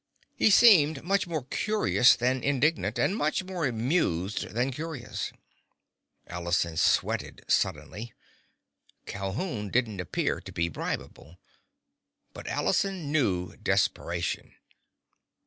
He seemed much more curious than indignant, and much more amused than curious. Allison sweated suddenly. Calhoun didn't appear to be bribable. But Allison knew desperation.